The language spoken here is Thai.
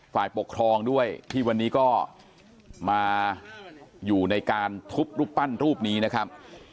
ฝ่ายปกครองด้วยที่วันนี้ก็มาอยู่ในการทุบรูปปั้นรูปนี้นะครับ